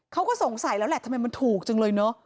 เขาก็สงสัยแล้วแหละทำไมมันถูกจังเลยเนอะ